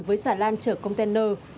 với xả lan chở container